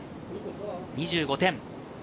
２５点。